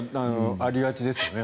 ありがちですよね。